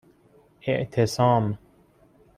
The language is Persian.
اِعتصام